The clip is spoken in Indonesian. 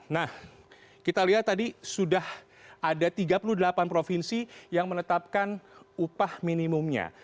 nah kita lihat tadi sudah ada tiga puluh delapan provinsi yang menetapkan upah minimumnya